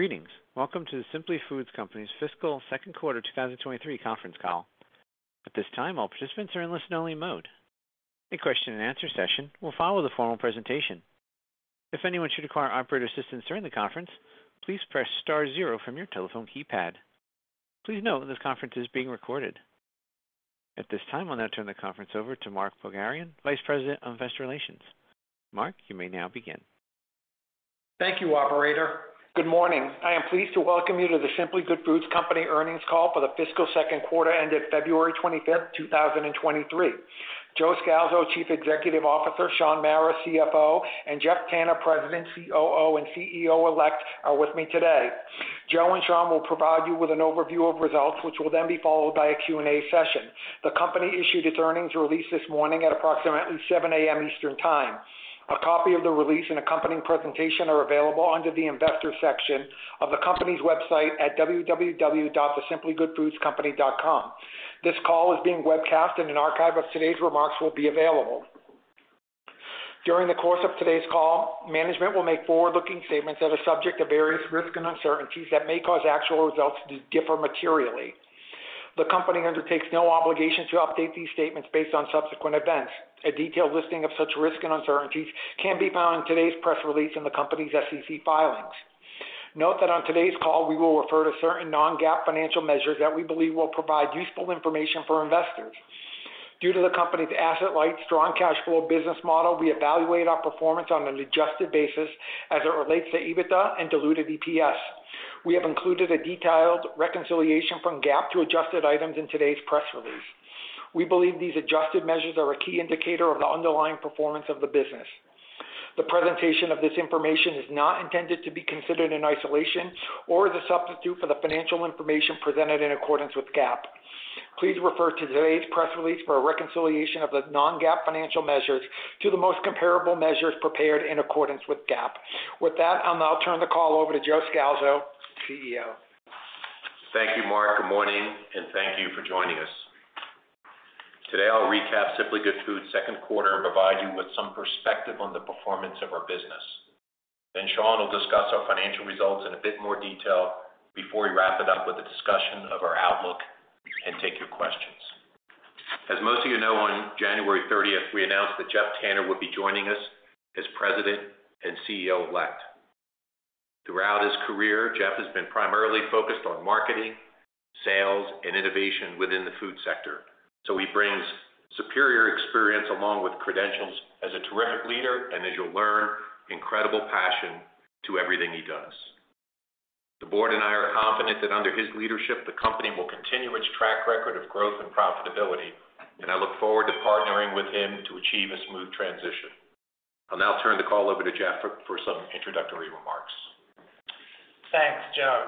Greetings. Welcome to The Simply Good Foods Company's Fiscal Second Quarter 2023 Conference Call. At this time, all participants are in listen-only mode. A question-and-answer session will follow the formal presentation. If anyone should require operator assistance during the conference, please press star zero from your telephone keypad. Please note this conference is being recorded. At this time, I'll now turn the conference over to Mark Pogharian, Vice President of Investor Relations. Mark, you may now begin. Thank you, operator. Good morning. I am pleased to welcome you to The Simply Good Foods Company earnings call for the fiscal second quarter ended February 25th, 2023. Joe Scalzo, Chief Executive Officer, Shaun Mara, CFO, and Geoff Tanner, President, COO, and CEO elect, are with me today. Joe and Shaun will provide you with an overview of results, which will then be followed by a Q&A session. The company issued its earnings release this morning at approximately 7:00 A.M. Eastern Time. A copy of the release and accompanying presentation are available under the investor section of the company's website at www.thesimplygoodfoodscompany.com. This call is being webcast and an archive of today's remarks will be available. During the course of today's call, management will make forward-looking statements that are subject to various risks and uncertainties that may cause actual results to differ materially. The company undertakes no obligation to update these statements based on subsequent events. A detailed listing of such risks and uncertainties can be found in today's press release in the company's SEC filings. Note that on today's call we will refer to certain non-GAAP financial measures that we believe will provide useful information for investors. Due to the company's asset-light, strong cash flow business model, we evaluate our performance on an adjusted basis as it relates to EBITDA and diluted EPS. We have included a detailed reconciliation from GAAP to adjusted items in today's press release. We believe these adjusted measures are a key indicator of the underlying performance of the business. The presentation of this information is not intended to be considered in isolation or as a substitute for the financial information presented in accordance with GAAP. Please refer to today's press release for a reconciliation of the non-GAAP financial measures to the most comparable measures prepared in accordance with GAAP. With that, I'll now turn the call over to Joe Scalzo, CEO. Thank you, Mark. Good morning and thank you for joining us. Today I'll recap Simply Good Foods 2Q and provide you with some perspective on the performance of our business. Shaun will discuss our financial results in a bit more detail before we wrap it up with a discussion of our outlook and take your questions. As most of you know, on January 30th, we announced that Geoff Tanner would be joining us as President and CEO Elect. Throughout his career, Geoff has been primarily focused on marketing, sales, and innovation within the food sector. He brings superior experience along with credentials as a terrific leader and as you'll learn, incredible passion to everything he does. The board and I are confident that under his leadership, the company will continue its track record of growth and profitability, and I look forward to partnering with him to achieve a smooth transition. I'll now turn the call over to Geoff for some introductory remarks. Thanks, Joe.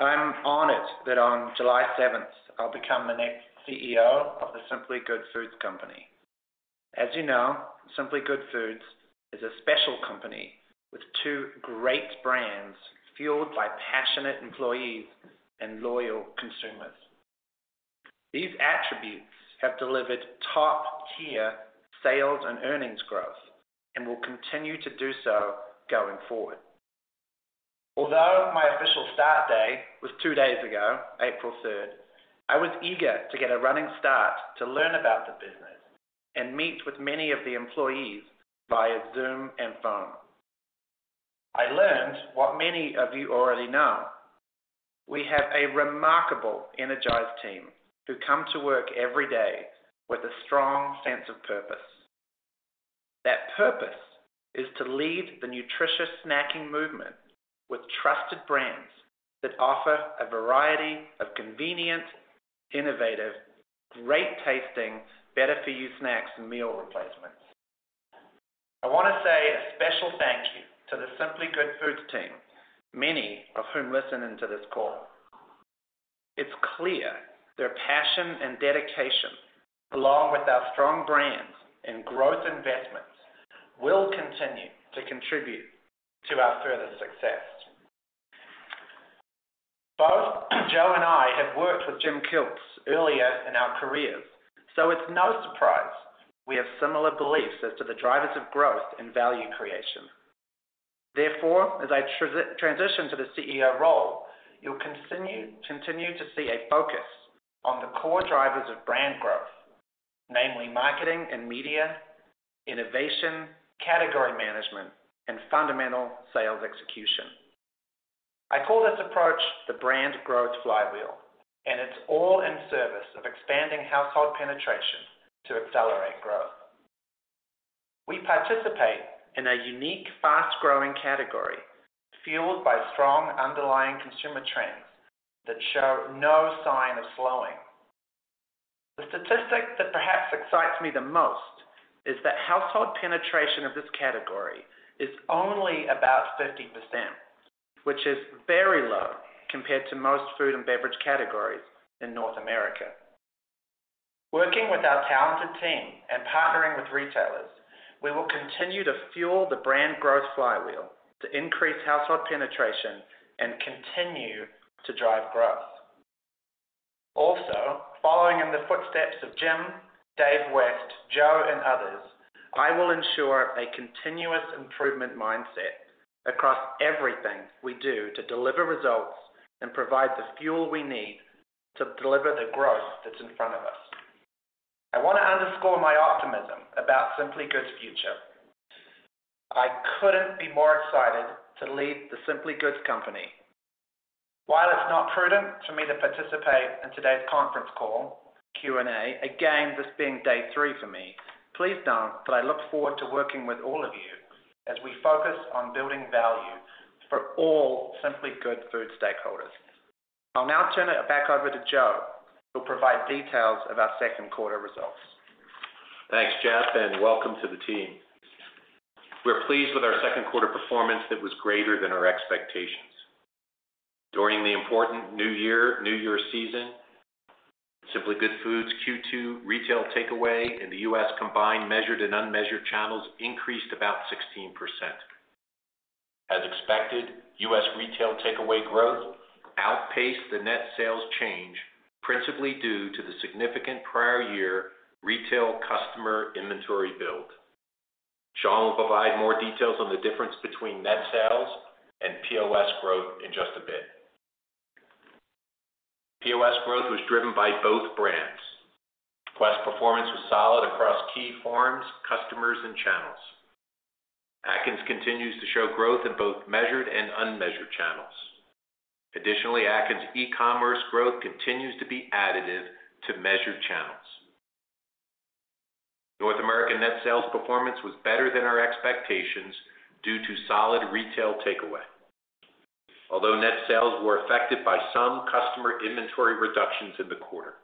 I'm honored that on July 7th, I'll become the next CEO of The Simply Good Foods Company. As you know, Simply Good Foods is a special company with two great brands fueled by passionate employees and loyal consumers. These attributes have delivered top-tier sales and earnings growth and will continue to do so going forward. Although my official start day was two days ago, April 3rd, I was eager to get a running start to learn about the business and meet with many of the employees via Zoom and phone. I learned what many of you already know. We have a remarkable, energized team who come to work every day with a strong sense of purpose. That purpose is to lead the nutritious snacking movement with trusted brands that offer a variety of convenient, innovative, great tasting, better for you snacks and meal replacements. I want to say a special thank you to the Simply Good Foods team, many of whom listen into this call. It's clear their passion and dedication, along with our strong brands and growth investments, will continue to contribute to our further success. Both Joe and I have worked with Jim Kilts earlier in our careers, so it's no surprise we have similar beliefs as to the drivers of growth and value creation. Therefore, as I transition to the CEO role, you'll continue to see a focus on the core drivers of brand growth, namely marketing and media, innovation, category management, and fundamental sales execution. I call this approach the brand growth flywheel, and it's all in service of expanding household penetration to accelerate growth. We participate in a unique, fast-growing category fueled by strong underlying consumer trends that show no sign of slowing. The statistic that perhaps excites me the most is that household penetration of this category is only about 50%, which is very low compared to most food and beverage categories in North America. Working with our talented team and partnering with retailers, we will continue to fuel the brand growth flywheel to increase household penetration and continue to drive growth. Also, following in the footsteps of Jim, Dave West, Joe, and others, I will ensure a continuous improvement mindset across everything we do to deliver results and provide the fuel we need to deliver the growth that's in front of us. I wanna underscore my optimism about Simply Good's future. I couldn't be more excited to lead the Simply Good Company. While it's not prudent for me to participate in today's conference call Q&A, again, this being day three for me, please know that I look forward to working with all of you as we focus on building value for all Simply Good Foods stakeholders. I'll now turn it back over to Joe, who'll provide details of our second quarter results. Thanks, Geoff, and welcome to the team. We're pleased with our second quarter performance that was greater than our expectations. During the important New Year season, Simply Good Foods' Q2 retail takeaway in the U.S. combined measured and unmeasured channels increased about 16%. As expected, U.S. retail takeaway growth outpaced the net sales change, principally due to the significant prior year retail customer inventory build. Shaun will provide more details on the difference between net sales and POS growth in just a bit. POS growth was driven by both brands. Quest performance was solid across key forms, customers, and channels. Atkins continues to show growth in both measured and unmeasured channels. Additionally, Atkins' e-commerce growth continues to be additive to measured channels. North American net sales performance was better than our expectations due to solid retail takeaway. Net sales were affected by some customer inventory reductions in the quarter.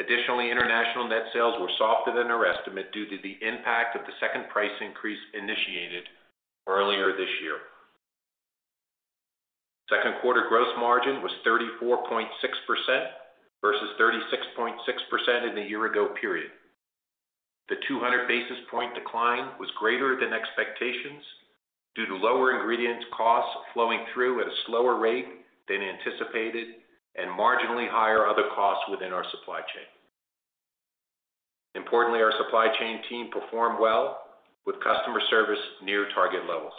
Additionally, international net sales were softer than our estimate due to the impact of the second price increase initiated earlier this year. Second quarter gross margin was 34.6% versus 36.6% in the year ago period. The 200 basis point decline was greater than expectations due to lower ingredients costs flowing through at a slower rate than anticipated and marginally higher other costs within our supply chain. Importantly, our supply chain team performed well with customer service near target levels.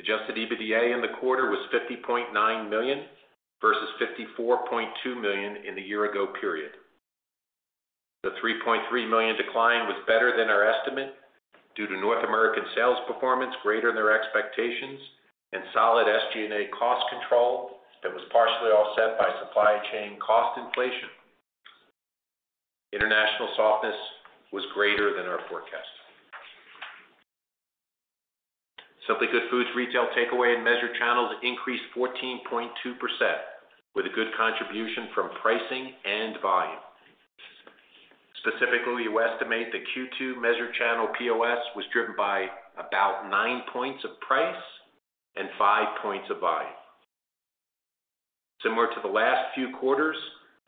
Adjusted EBITDA in the quarter was $50.9 million versus $54.2 million in the year ago period. The $3.3 million decline was better than our estimate due to North American sales performance greater than their expectations and solid SG&A cost control that was partially offset by supply chain cost inflation. International softness was greater than our forecast. Simply Good Foods' retail takeaway in measured channels increased 14.2% with a good contribution from pricing and volume. Specifically, we estimate the Q2 measured channel POS was driven by about nine points of price and five points of volume. Similar to the last few quarters,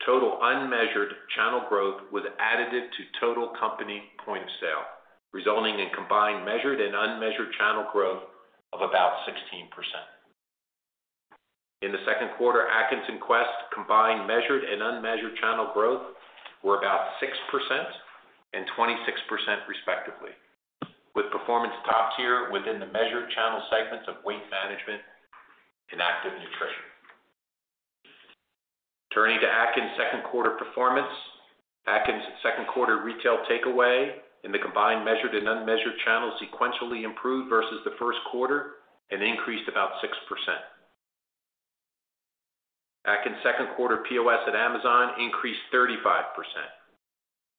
total unmeasured channel growth was additive to total company point of sale, resulting in combined measured and unmeasured channel growth of about 16%. In the second quarter, Atkins and Quest combined measured and unmeasured channel growth were about 6% and 26% respectively, with performance top tier within the measured channel segments of weight management and active nutrition. Turning to Atkins' second quarter performance. Atkins' second quarter retail takeaway in the combined measured and unmeasured channels sequentially improved versus the first quarter and increased about 6%. Atkins' second quarter POS at Amazon increased 35%.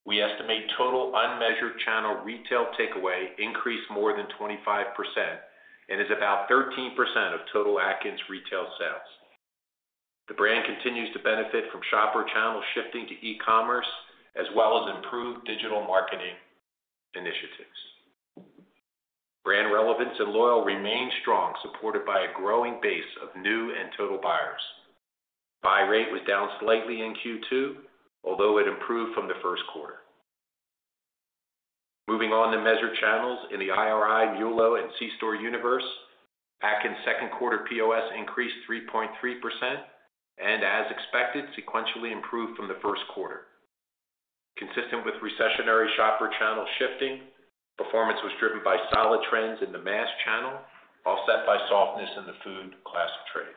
We estimate total unmeasured channel retail takeaway increased more than 25% and is about 13% of total Atkins retail sales. The brand continues to benefit from shopper channel shifting to e-commerce as well as improved digital marketing initiatives. Brand relevance and loyal remain strong, supported by a growing base of new and total buyers. Buy rate was down slightly in Q2, although it improved from the first quarter. Moving on to measured channels in the IRI, MULO, and C-store universe, Atkins' second quarter POS increased 3.3% and, as expected, sequentially improved from the first quarter. Consistent with recessionary shopper channel shifting, performance was driven by solid trends in the mass channel, offset by softness in the food class trade.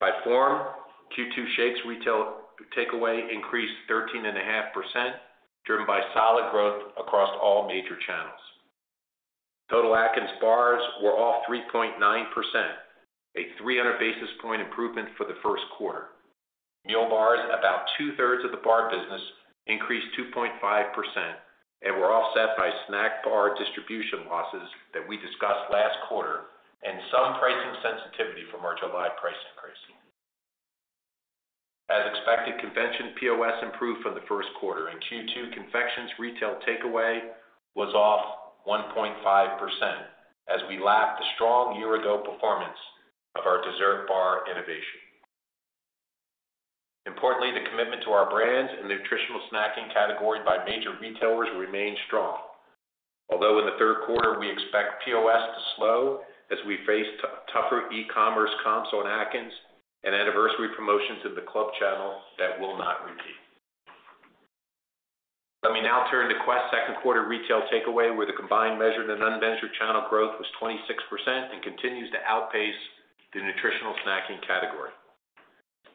By form, Q2 shapes retail takeaway increased 13.5%, driven by solid growth across all major channels. Total Atkins bars were all 3.9%, a 300 basis point improvement for the first quarter. Meal bars, about two-thirds of the bar business, increased 2.5% and were offset by snack bar distribution losses that we discussed last quarter and some pricing sensitivity from our July price increase. As expected, confections POS improved for the first quarter. In Q2, confections retail takeaway was off 1.5% as we lapped the strong year ago performance of our dessert bar innovation. Importantly, the commitment to our brands and nutritional snacking category by major retailers remain strong. In the third quarter, we expect POS to slow as we face tougher e-commerce comps on Atkins and anniversary promotions in the club channel that will not repeat. Let me now turn to Quest second quarter retail takeaway, where the combined measured and unmeasured channel growth was 26% and continues to outpace the nutritional snacking category.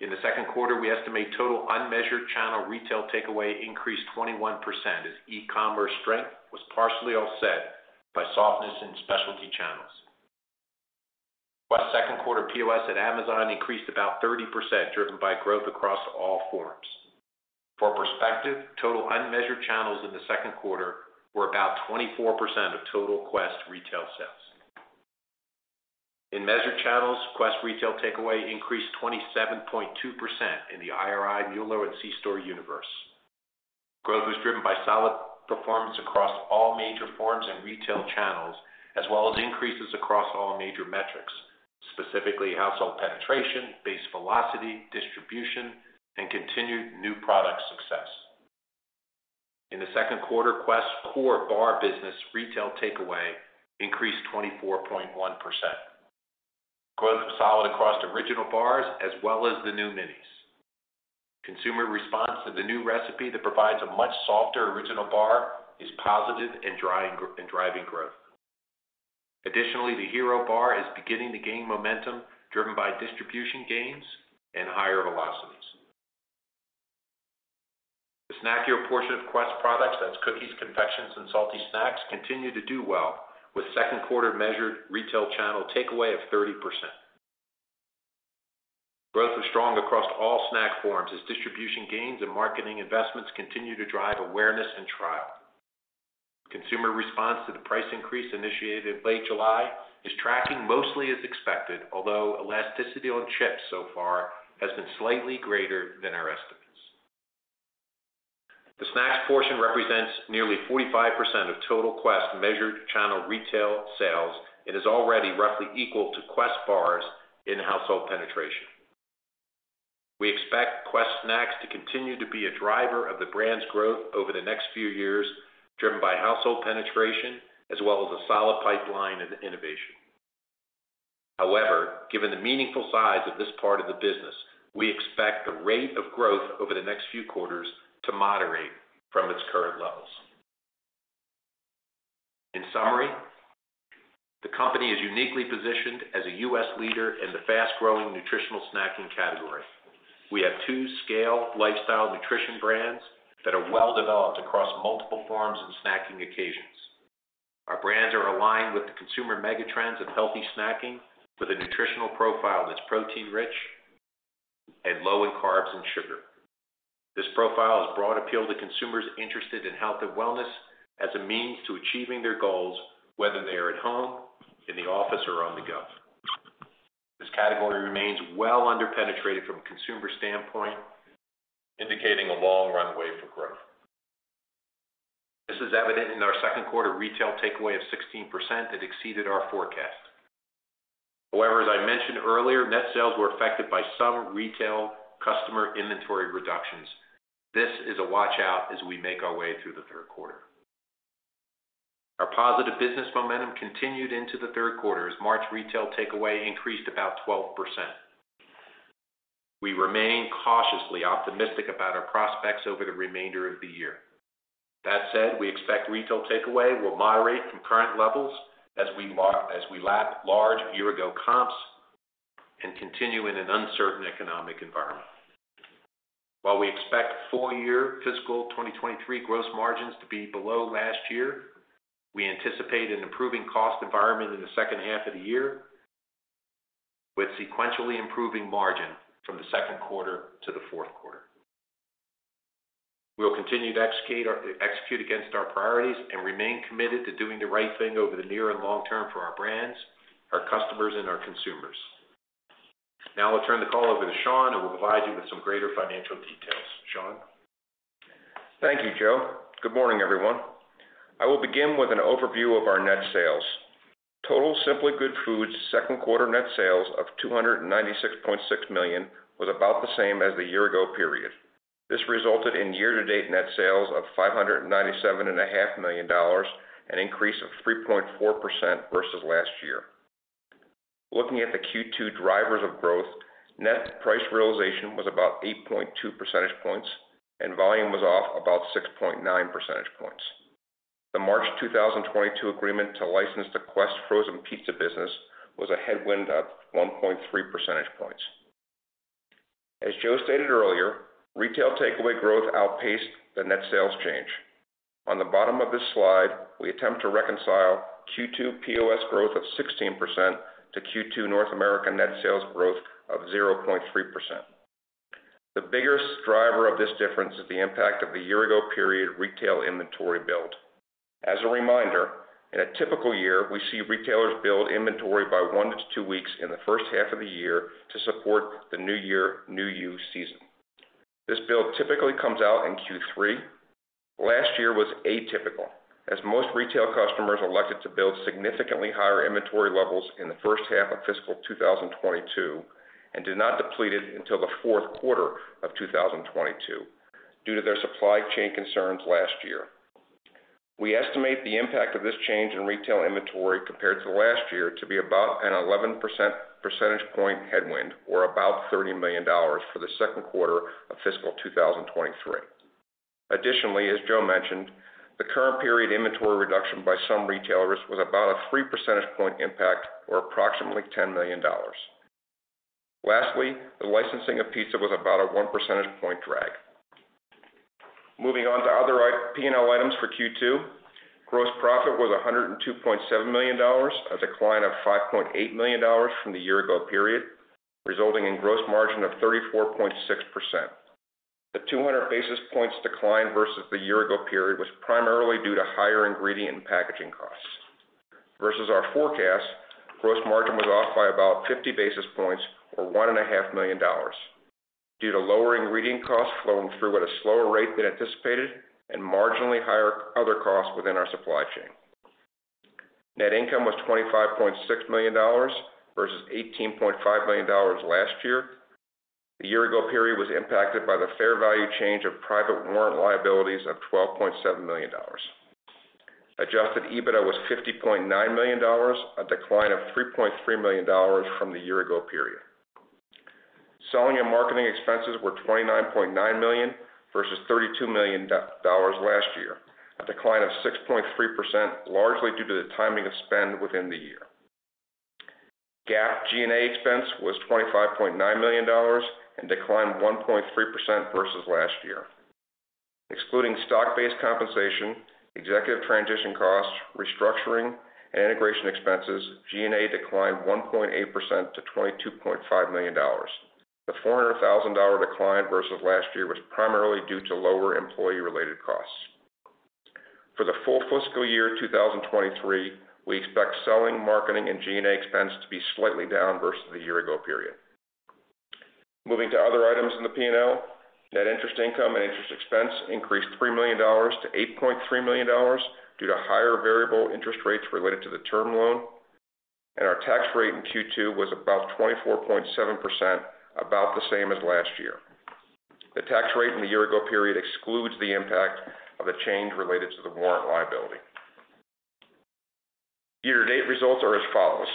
In the second quarter, we estimate total unmeasured channel retail takeaway increased 21% as e-commerce strength was partially offset by softness in specialty channels. Quest second quarter POS at Amazon increased about 30%, driven by growth across all forms. For perspective, total unmeasured channels in the second quarter were about 24% of total Quest retail sales. In measured channels, Quest retail takeaway increased 27.2% in the IRI, MULO, and C-store universe. Growth was driven by solid performance across all major forms and retail channels, as well as increases across all major metrics, specifically household penetration, base velocity, distribution, and continued new product success. In the second quarter, Quest core bar business retail takeaway increased 24.1%. Growth was solid across the original bars as well as the new Minis. Consumer response to the new recipe that provides a much softer original bar is positive and driving growth. Additionally, the Hero Bar is beginning to gain momentum driven by distribution gains and higher velocities. The snackier portion of Quest products, that's cookies, confections, and salty snacks, continue to do well with second-quarter measured retail channel takeaway of 30%. Growth was strong across all snack forms as distribution gains and marketing investments continue to drive awareness and trial. Consumer response to the price increase initiated in late July is tracking mostly as expected, although elasticity on chips so far has been slightly greater than our estimates. The snacks portion represents nearly 45% of total Quest measured channel retail sales and is already roughly equal to Quest bars in household penetration. We expect Quest snacks to continue to be a driver of the brand's growth over the next few years, driven by household penetration as well as a solid pipeline and innovation. However, given the meaningful size of this part of the business, we expect the rate of growth over the next few quarters to moderate from its current levels. In summary, the company is uniquely positioned as a U.S. leader in the fast-growing nutritional snacking category. We have two scale lifestyle nutrition brands that are well developed across multiple forms and snacking occasions. Our brands are aligned with the consumer mega trends of healthy snacking with a nutritional profile that's protein rich and low in carbs and sugar. This profile has broad appeal to consumers interested in health and wellness as a means to achieving their goals, whether they are at home, in the office, or on the go. This category remains well under-penetrated from a consumer standpoint, indicating a long runway for growth. This is evident in our second quarter retail takeaway of 16% that exceeded our forecast. As I mentioned earlier, net sales were affected by some retail customer inventory reductions. This is a watch-out as we make our way through the third quarter. Our positive business momentum continued into the third quarter as March retail takeaway increased about 12%. We remain cautiously optimistic about our prospects over the remainder of the year. That said, we expect retail takeaway will moderate from current levels as we lap large year ago comps and continue in an uncertain economic environment. While we expect full year fiscal 2023 gross margins to be below last year, we anticipate an improving cost environment in the second half of the year with sequentially improving margin from the second quarter to the fourth quarter. We'll continue to execute against our priorities and remain committed to doing the right thing over the near and long term for our brands, our customers, and our consumers. I'll turn the call over to Shaun, who will provide you with some greater financial details. Shaun. Thank you, Joe. Good morning, everyone. I will begin with an overview of our net sales. Total Simply Good Foods second quarter net sales of $296.6 million was about the same as the year-ago period. This resulted in year-to-date net sales of $597.5 million, an increase of 3.4% versus last year. Looking at the Q2 drivers of growth, net price realization was about 8.2 percentage points and volume was off about 6.9 percentage points. The March 2022 agreement to license the Quest frozen pizza business was a headwind of 1.3 percentage points. As Joe stated earlier, retail takeaway growth outpaced the net sales change. On the bottom of this slide, we attempt to reconcile Q2 POS growth of 16% to Q2 North America net sales growth of 0.3%. The biggest driver of this difference is the impact of the year ago period retail inventory build. As a reminder, in a typical year, we see retailers build inventory by one to two weeks in the first half of the year to support the new year, new you season. This build typically comes out in Q3. Last year was atypical as most retail customers elected to build significantly higher inventory levels in the first half of fiscal 2022, and did not deplete it until the fourth quarter of 2022 due to their supply chain concerns last year. We estimate the impact of this change in retail inventory compared to last year to be about an 11 percentage point headwind, or about $30 million for the second quarter of fiscal 2023. As Joe mentioned, the current period inventory reduction by some retailers was about a 3 percentage point impact, or approximately $10 million. The licensing of pizza was about a 1 percentage point drag. Moving on to other P&L items for Q2. Gross profit was $102.7 million, a decline of $5.8 million from the year ago period, resulting in gross margin of 34.6%. The 200 basis points decline versus the year ago period was primarily due to higher ingredient and packaging costs. Versus our forecast, gross margin was off by about 50 basis points or $1.5 million due to lower ingredient costs flowing through at a slower rate than anticipated and marginally higher other costs within our supply chain. Net income was $25.6 million versus $18.5 million last year. The year ago period was impacted by the fair value change of private warrant liabilities of $12.7 million. Adjusted EBITDA was $50.9 million, a decline of $3.3 million from the year ago period. Selling and marketing expenses were $29.9 million versus $32 million last year, a decline of 6.3%, largely due to the timing of spend within the year. GAAP G&A expense was $25.9 million and declined 1.3% versus last year. Excluding stock-based compensation, executive transition costs, restructuring and integration expenses, G&A declined 1.8% to $22.5 million. The $400,000 decline versus last year was primarily due to lower employee-related costs. For the full fiscal year 2023, we expect selling, marketing and G&A expense to be slightly down versus the year ago period. Moving to other items in the P&L. Net interest income and interest expense increased $3 million-$8.3 million due to higher variable interest rates related to the term loan. Our tax rate in Q2 was about 24.7%, about the same as last year. The tax rate in the year ago period excludes the impact of the change related to the warrant liability. Year-to-date results are as follows: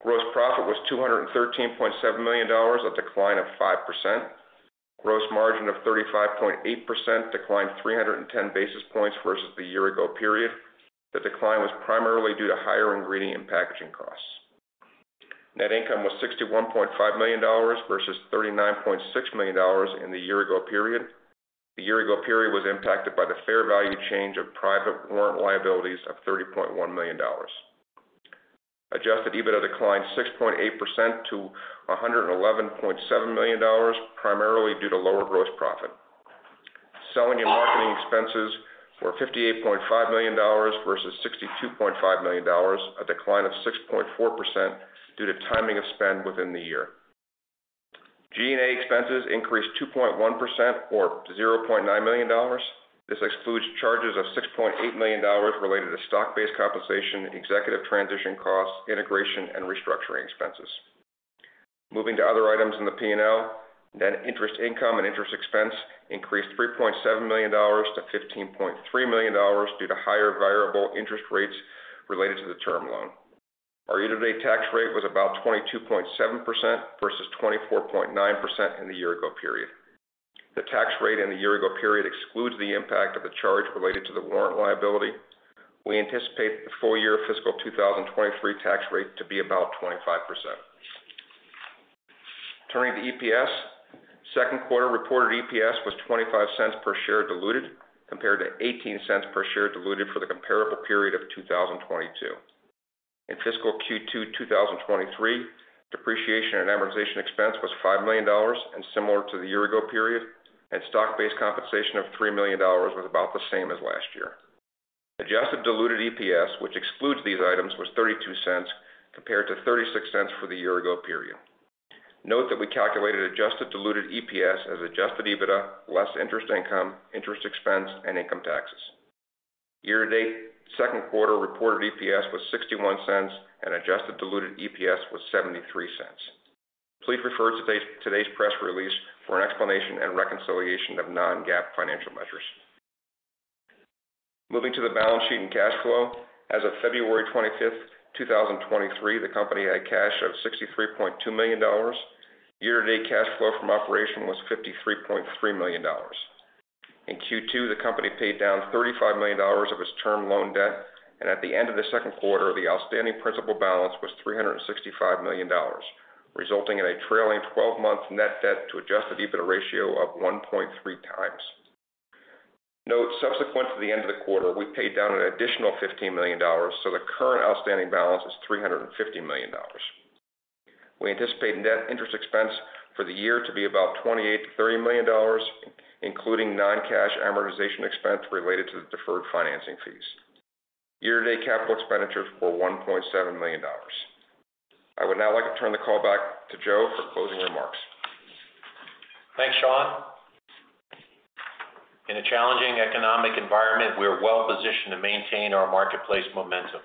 Gross profit was $213.7 million, a decline of 5%. Gross margin of 35.8% declined 310 basis points versus the year-ago period. The decline was primarily due to higher ingredient and packaging costs. Net income was $61.5 million versus $39.6 million in the year-ago period. The year-ago period was impacted by the fair value change of private warrant liabilities of $30.1 million. Adjusted EBITDA declined 6.8% to $111.7 million, primarily due to lower gross profit. Selling and marketing expenses were $58.5 million versus $62.5 million, a decline of 6.4% due to timing of spend within the year. G&A expenses increased 2.1% or $0.9 million. This excludes charges of $6.8 million related to stock-based compensation, executive transition costs, integration and restructuring expenses. Moving to other items in the P&L. Net interest income and interest expense increased $3.7 million-$15.3 million due to higher variable interest rates related to the term loan. Our year-to-date tax rate was about 22.7% versus 24.9% in the year-ago period. The tax rate in the year-ago period excludes the impact of the charge related to the warrant liability. We anticipate the full year fiscal 2023 tax rate to be about 25%. Turning to EPS. Second quarter reported EPS was $0.25 per share diluted compared to $0.18 per share diluted for the comparable period of 2022. In fiscal Q2 2023, depreciation and amortization expense was $5 million and similar to the year ago period, and stock-based compensation of $3 million was about the same as last year. Adjusted diluted EPS, which excludes these items, was $0.32 compared to $0.36 for the year ago period. Note that we calculated adjusted diluted EPS as Adjusted EBITDA less interest income, interest expense, and income taxes. Year-to-date, second quarter reported EPS was $0.61 and adjusted diluted EPS was $0.73. Please refer to today's press release for an explanation and reconciliation of non-GAAP financial measures. Moving to the balance sheet and cash flow. As of February 25th, 2023, the company had cash of $63.2 million. Year-to-date cash flow from operation was $53.3 million. In Q2, the company paid down $35 million of its term loan debt, and at the end of the second quarter, the outstanding principal balance was $365 million, resulting in a trailing 12-month net debt to Adjusted EBITDA ratio of 1.3x. Note, subsequent to the end of the quarter, we paid down an additional $15 million, the current outstanding balance is $350 million. We anticipate net interest expense for the year to be about $28 million-$30 million, including non-cash amortization expense related to the deferred financing fees. Year-to-date capital expenditures were $1.7 million. I would now like to turn the call back to Joe for closing remarks. Thanks, Shaun. In a challenging economic environment, we are well positioned to maintain our marketplace momentum.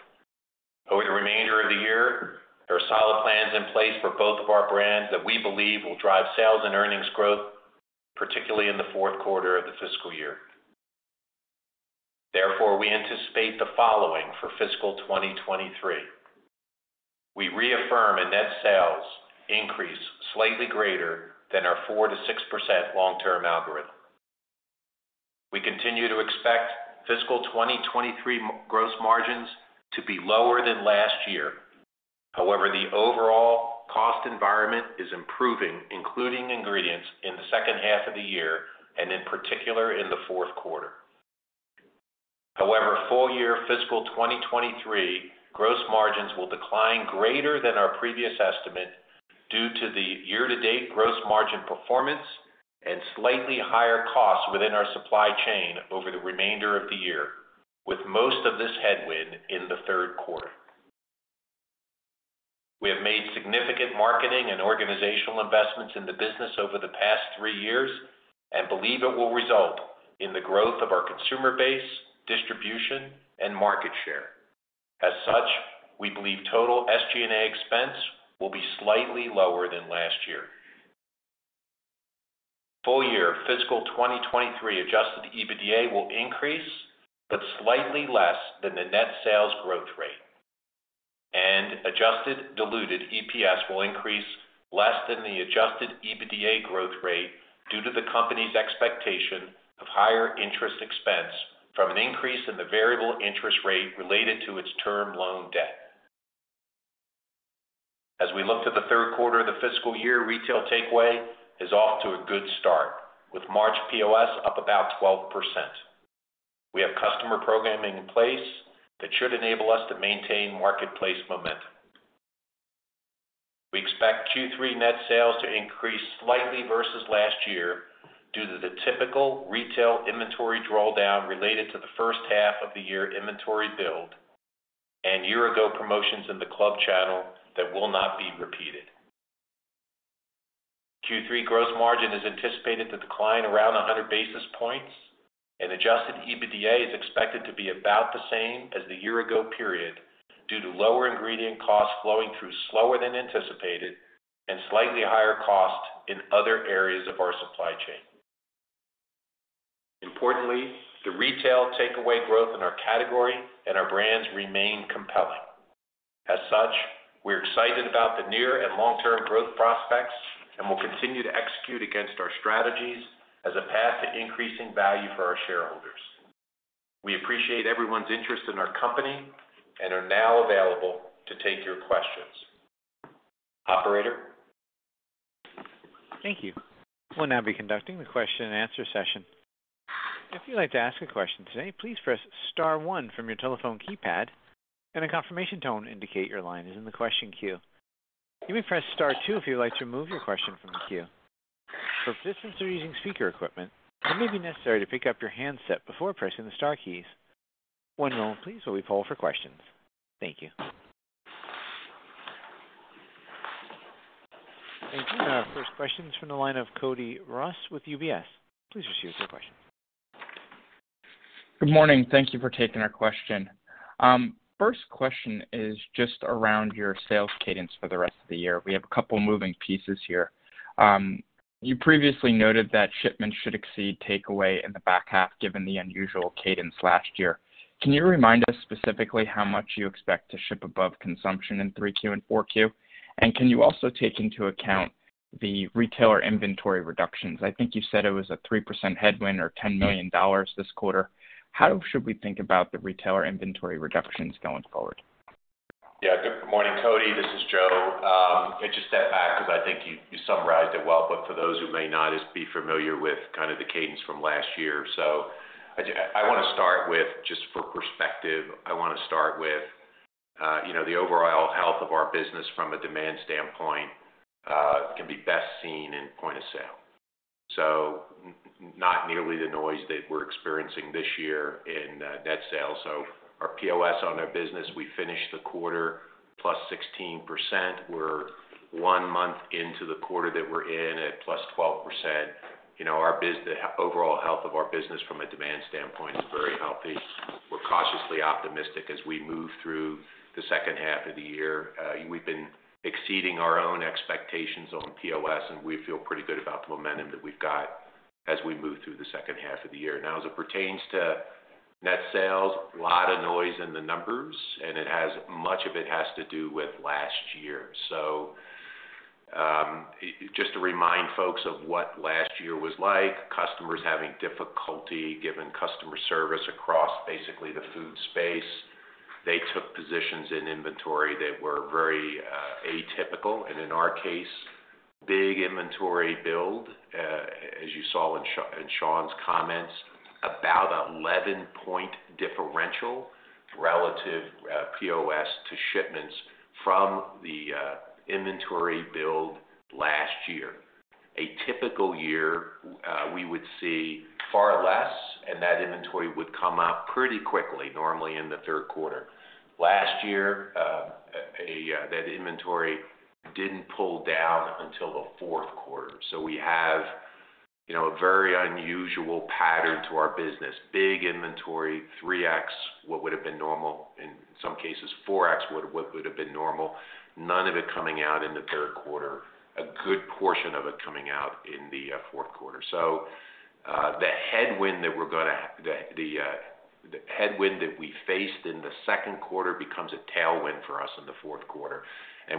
Over the remainder of the year, there are solid plans in place for both of our brands that we believe will drive sales and earnings growth, particularly in the fourth quarter of the fiscal year. We anticipate the following for fiscal 2023. We reaffirm a net sales increase slightly greater than our 4%-6% long-term algorithm. We continue to expect fiscal 2023 gross margins to be lower than last year. The overall cost environment is improving, including ingredients in the second half of the year and in particular in the fourth quarter. However, full year fiscal 2023 gross margins will decline greater than our previous estimate due to the year-to-date gross margin performance and slightly higher costs within our supply chain over the remainder of the year, with most of this headwind in the third quarter. We have made significant marketing and organizational investments in the business over the past three years and believe it will result in the growth of our consumer base, distribution, and market share. As such, we believe total SG&A expense will be slightly lower than last year. Full year fiscal 2023 Adjusted EBITDA will increase, but slightly less than the net sales growth rate. Adjusted diluted EPS will increase less than the Adjusted EBITDA growth rate due to the company's expectation of higher interest expense from an increase in the variable interest rate related to its term loan debt. As we look to the third quarter of the fiscal year, retail takeaway is off to a good start. With March POS up about 12%. We have customer programming in place that should enable us to maintain marketplace momentum. We expect Q3 net sales to increase slightly versus last year due to the typical retail inventory drawdown related to the first half of the year inventory build and year-ago promotions in the club channel that will not be repeated. Q3 gross margin is anticipated to decline around 100 basis points and Adjusted EBITDA is expected to be about the same as the year-ago period due to lower ingredient costs flowing through slower than anticipated and slightly higher costs in other areas of our supply chain. Importantly, the retail takeaway growth in our category and our brands remain compelling. We're excited about the near and long-term growth prospects, and we'll continue to execute against our strategies as a path to increasing value for our shareholders. We appreciate everyone's interest in our company and are now available to take your questions. Operator. Thank you. We'll now be conducting the question and answer session. If you'd like to ask a question today, please press star one from your telephone keypad and a confirmation tone indicate your line is in the question queue. You may press star two if you'd like to remove your question from the queue. For participants who are using speaker equipment, it may be necessary to pick up your handset before pressing the star keys. One moment please, while we poll for questions. Thank you. Thank you. Our first question is from the line of Cody Ross with UBS. Please proceed with your question. Good morning. Thank you for taking our question. First question is just around your sales cadence for the rest of the year. We have a couple moving pieces here. You previously noted that shipments should exceed takeaway in the back half, given the unusual cadence last year. Can you remind us specifically how much you expect to ship above consumption in 3Q and 4Q? Can you also take into account the retailer inventory reductions? I think you said it was a 3% headwind or $10 million this quarter. How should we think about the retailer inventory reductions going forward? Yeah. Good morning, Cody. This is Joe. I'll just step back 'cause I think you summarized it well, but for those who may not be familiar with kind of the cadence from last year. I wanna start with, just for perspective, I wanna start with, you know, the overall health of our business from a demand standpoint, can be best seen in point of sale. Not nearly the noise that we're experiencing this year in net sales. Our POS on our business, we finished the quarter +16%. We're one month into the quarter that we're in at +12%. You know, the overall health of our business from a demand standpoint is very healthy. We're cautiously optimistic as we move through the second half of the year. We've been exceeding our own expectations on POS, and we feel pretty good about the momentum that we've got as we move through the second half of the year. Now, as it pertains to net sales, a lot of noise in the numbers, and much of it has to do with last year. Just to remind folks of what last year was like, customers having difficulty giving customer service across basically the food space. They took positions in inventory that were very atypical, and in our case, big inventory build, as you saw in Shaun's comments, about 11-point differential relative, POS to shipments from the inventory build last year. A typical year, we would see far less, and that inventory would come up pretty quickly, normally in the third quarter. Last year, that inventory didn't pull down until the fourth quarter. We have, you know, a very unusual pattern to our business. Big inventory, 3x what would have been normal. In some cases, 4x what would have been normal. None of it coming out in the third quarter. A good portion of it coming out in the fourth quarter. The headwind that we faced in the second quarter becomes a tailwind for us in the fourth quarter.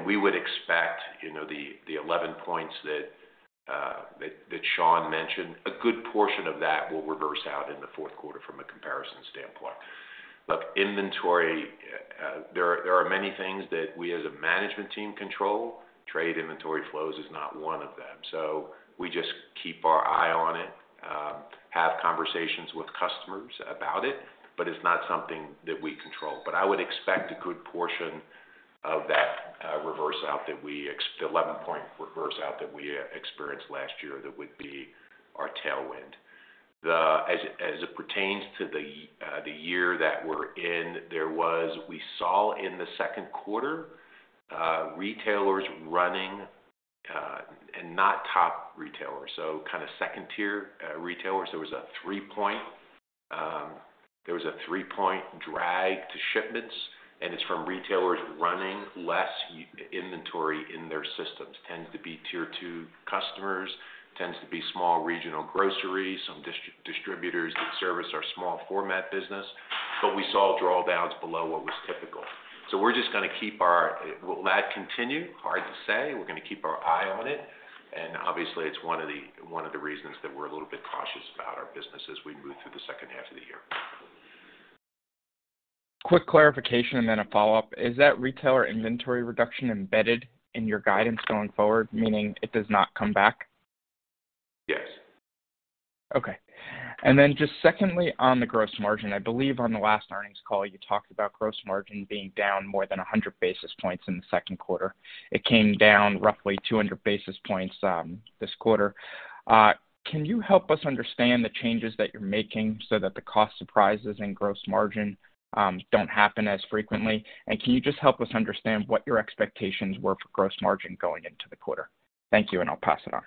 We would expect, you know, the 11 points that Shaun mentioned, a good portion of that will reverse out in the fourth quarter from a comparison standpoint. Inventory, there are many things that we, as a management team, control. Trade inventory flows is not one of them. We just keep our eye on it, have conversations with customers about it, but it's not something that we control. I would expect a good portion of that, the 11-point reverse out that we experienced last year that would be our tailwind. As it pertains to the year that we're in, we saw in the second quarter, retailers running, and not top retailers, so kinda second-tier retailers. There was a three-point drag to shipments, and it's from retailers running less inventory in their systems. Tends to be Tier 2 customers, tends to be small regional groceries, some distributors that service our small format business. We saw drawdowns below what was typical. Will that continue? Hard to say. We're gonna keep our eye on it. Obviously, it's one of the reasons that we're a little bit cautious about our business as we move through the second half of the year. Quick clarification then a follow-up. Is that retailer inventory reduction embedded in your guidance going forward, meaning it does not come back? Yes. Okay. Just secondly, on the gross margin. I believe on the last earnings call, you talked about gross margin being down more than 100 basis points in the second quarter. It came down roughly 200 basis points this quarter. Can you help us understand the changes that you're making so that the cost surprises and gross margin don't happen as frequently? Can you just help us understand what your expectations were for gross margin going into the quarter? Thank you, and I'll pass it on.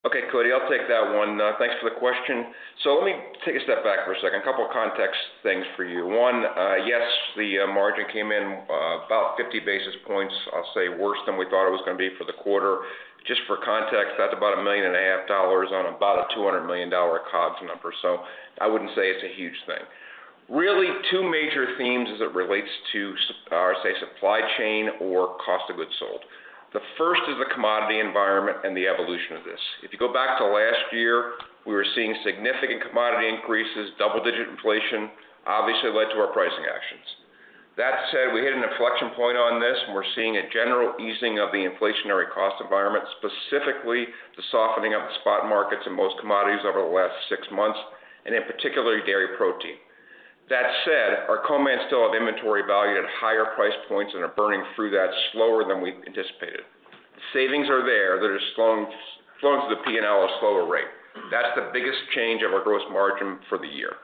Okay, Cody, I'll take that one. Thanks for the question. Let me take a step back for a second. A couple of context things for you. One, yes, the margin came in about 50 basis points, I'll say, worse than we thought it was gonna be for the quarter. Just for context, that's about a million and a half dollars on about a $200 million COGS number. I wouldn't say it's a huge thing. Really two major themes as it relates to or I say, supply chain or cost of goods sold. The first is the commodity environment and the evolution of this. If you go back to last year, we were seeing significant commodity increases, double-digit inflation, obviously led to our pricing actions. That said, we hit an inflection point on this, and we're seeing a general easing of the inflationary cost environment, specifically the softening of the spot markets in most commodities over the last six months, and in particular, dairy protein. That said, our co-mans still have inventory valued at higher price points and are burning through that slower than we anticipated. Savings are there. They're just flowing through the P&L at a slower rate. That's the biggest change of our gross margin for the year.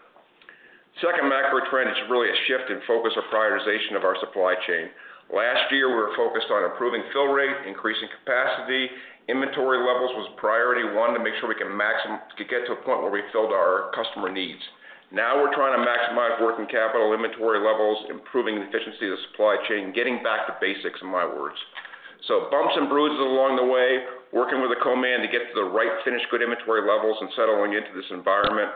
Second macro trend is really a shift in focus or prioritization of our supply chain. Last year, we were focused on improving fill rate, increasing capacity. Inventory levels was priority one to make sure we could get to a point where we filled our customer needs. We're trying to maximize working capital inventory levels, improving the efficiency of the supply chain, getting back to basics, in my words. Bumps and bruises along the way, working with the co-man to get to the right finished good inventory levels and settling into this environment.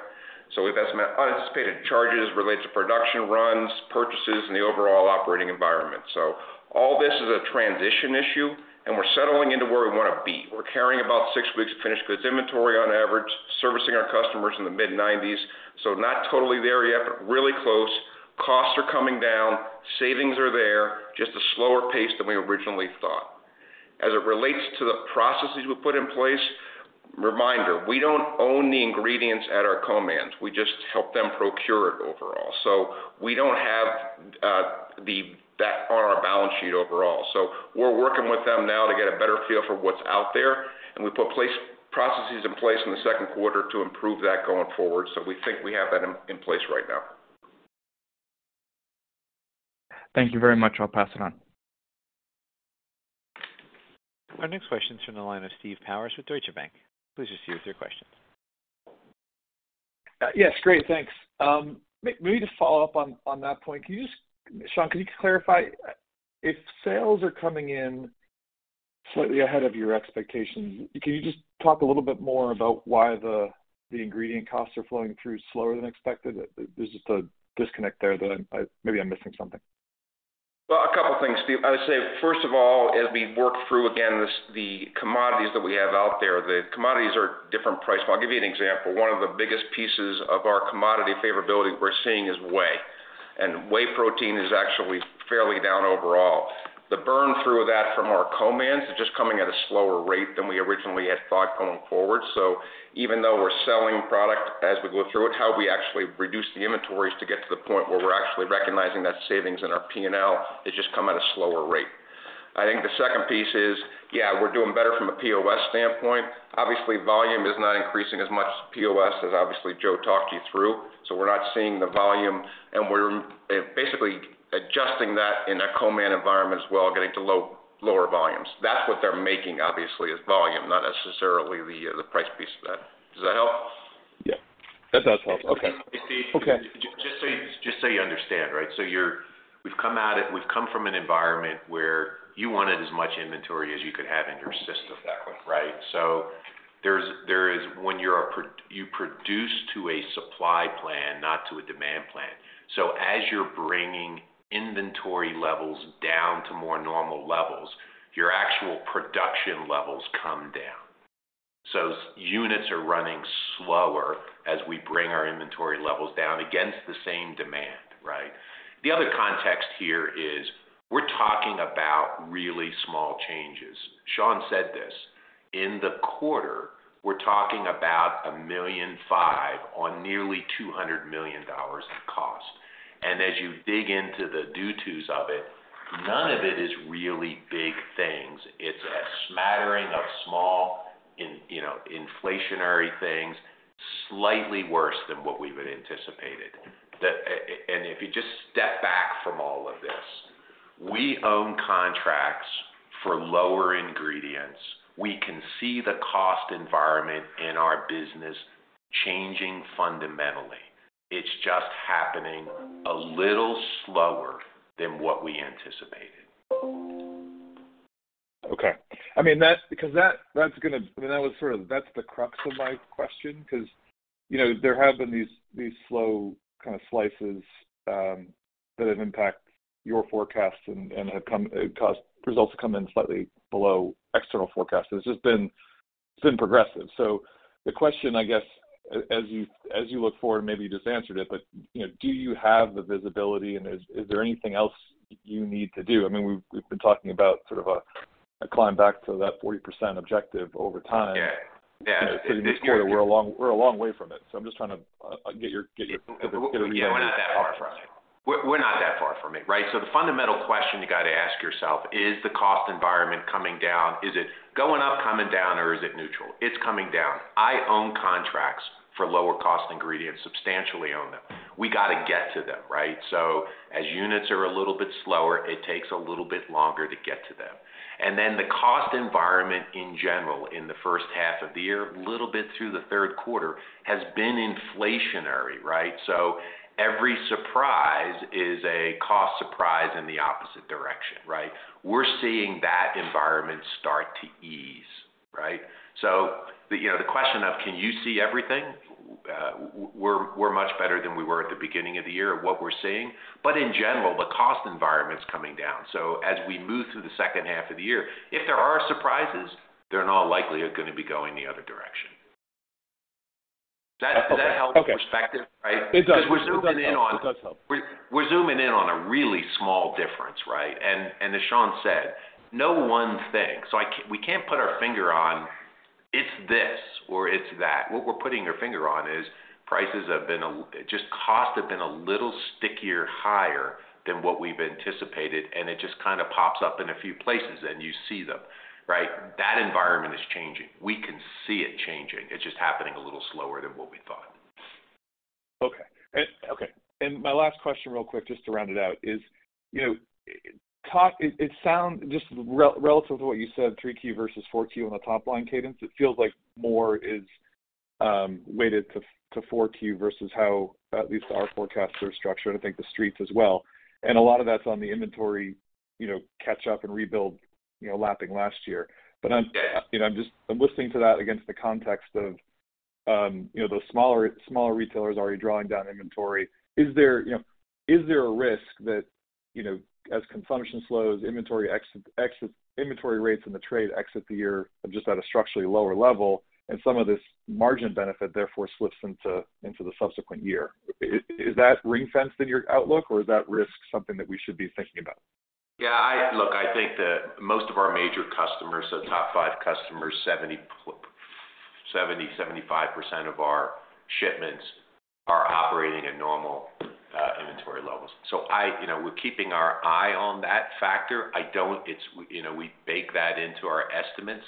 We've estimated unanticipated charges related to production runs, purchases, and the overall operating environment. All this is a transition issue, and we're settling into where we wanna be. We're carrying about six weeks of finished goods inventory on average, servicing our customers in the mid-90s. Not totally there yet, but really close. Costs are coming down, savings are there, just a slower pace than we originally thought. As it relates to the processes we put in place, reminder, we don't own the ingredients at our co-mans. We just help them procure it overall. We don't have that on our balance sheet overall. We're working with them now to get a better feel for what's out there, and we put processes in place in the second quarter to improve that going forward. We think we have that in place right now. Thank you very much. I'll pass it on. Our next question is from the line of Steve Powers with Deutsche Bank. Please proceed with your questions. Yes, great. Thanks. Maybe to follow up on that point, Shaun, can you clarify, if sales are coming in slightly ahead of your expectations, can you just talk a little bit more about why the ingredient costs are flowing through slower than expected? There's just a disconnect there that maybe I'm missing something. Well, a couple of things, Steve. I would say, first of all, as we work through, again, the commodities that we have out there, the commodities are different price. I'll give you an example. One of the biggest pieces of our commodity favorability we're seeing is whey. Whey protein is actually fairly down overall. The burn-through of that from our co-mans is just coming at a slower rate than we. Forward. Even though we're selling product as we go through it, how we actually reduce the inventories to get to the point where we're actually recognizing that savings in our P&L, they just come at a slower rate. I think the second piece is, yeah, we're doing better from a POS standpoint. Obviously, volume is not increasing as much as POS, as obviously Joe talked you through. We're not seeing the volume, and we're basically adjusting that in a co-man environment as well, getting to low-lower volumes. That's what they're making, obviously, is volume, not necessarily the price piece of that. Does that help? Yeah, that does help. Okay. And Steve- Okay. Just so you understand, right? We've come from an environment where you wanted as much inventory as you could have in your system. Exactly. Right? There is when you're you produce to a supply plan, not to a demand plan. As you're bringing inventory levels down to more normal levels, your actual production levels come down. Units are running slower as we bring our inventory levels down against the same demand, right? The other context here is we're talking about really small changes. Shaun said this. In the quarter, we're talking about $1.5 million on nearly $200 million in cost. As you dig into the due tos of it, none of it is really big things. It's a smattering of small, you know, inflationary things, slightly worse than what we would anticipated. If you just step back from all of this, we own contracts for lower ingredients. We can see the cost environment in our business changing fundamentally. It's just happening a little slower than what we anticipated. Okay. I mean, that's the crux of my question 'cause, you know, there have been these slow kind of slices that have impacted your forecast and caused results to come in slightly below external forecasts. It's been progressive. The question, I guess, as you look forward, maybe you just answered it, but, you know, do you have the visibility and is there anything else you need to do? I mean, we've been talking about sort of a climb back to that 40% objective over time. Yeah. Yeah. You know, through this quarter, we're a long way from it. I'm just trying to get your. We're, you know, we're not that far from it. We're not that far from it, right? The fundamental question you gotta ask yourself, is the cost environment coming down? Is it going up, coming down, or is it neutral? It's coming down. I own contracts for lower cost ingredients, substantially own them. We gotta get to them, right? As units are a little bit slower, it takes a little bit longer to get to them. The cost environment in general in the first half of the year, a little bit through the third quarter, has been inflationary, right? Every surprise is a cost surprise in the opposite direction, right? We're seeing that environment start to ease, right? The, you know, the question of can you see everything, we're much better than we were at the beginning of the year of what we're seeing. In general, the cost environment's coming down. As we move through the second half of the year, if there are surprises, they're in all likelihood gonna be going the other direction. Does that help perspective, right? It does. It does help. It does help. We're zooming in on a really small difference, right? As Shaun said, no one thing. We can't put our finger on it's this or it's that. What we're putting our finger on is prices have been just cost have been a little stickier higher than what we've anticipated, it just kind of pops up in a few places, and you see them, right? That environment is changing. We can see it changing. It's just happening a little slower than what we thought. Okay. Okay. My last question, real quick, just to round it out is, you know, It sounds just relative to what you said, 3Q versus 4Q on the top line cadence, it feels like more is weighted to 4Q versus how at least our forecasts are structured, I think the streets as well. A lot of that's on the inventory, you know, catch up and rebuild, you know, lapping last year. I'm, you know, I'm just I'm listening to that against the context of, you know, those smaller retailers already drawing down inventory. Is there, you know, is there a risk that, you know, as consumption slows, inventory rates in the trade exit the year just at a structurally lower level, and some of this margin benefit therefore slips into the subsequent year? Is that ring-fenced in your outlook, or is that risk something that we should be thinking about? Look, I think that most of our major customers, so top five customers, 70%-75% of our shipments are operating at normal inventory levels. You know, we're keeping our eye on that factor. You know, we bake that into our estimates.